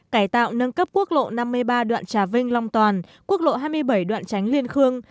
cải tạo nâng cấp quốc lộ năm mươi ba đoạn trà vinh long toàn quốc lộ hai mươi bảy đoạn tránh liên khương